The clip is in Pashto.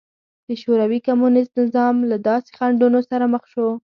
د شوروي کمونېست نظام له داسې خنډونو سره مخ شو